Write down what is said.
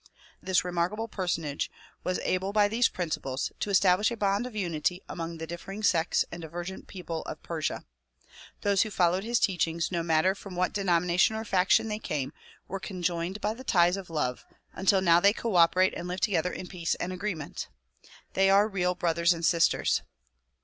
This remarkable personage was able by these principles to establish a bond of unity among the differing sects and divergent people of Persia. Those who followed his teachings no matter from what denomination or faction they came were conjoined by the ties of love, until now they cooperate and live together in peace and agreement. They are real brothers and sisters.